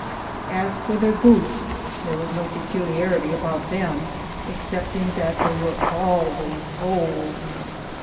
As for their boots, there was no peculiarity about them, excepting that they were always old.